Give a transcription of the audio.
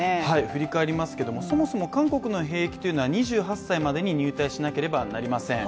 振り返りますけれども、そもそも韓国の兵役というのは２８歳までに入隊しなければなりません。